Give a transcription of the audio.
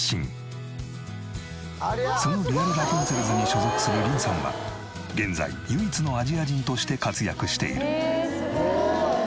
そのリアルラプンツェルズに所属するリンさんは現在唯一のアジア人として活躍している。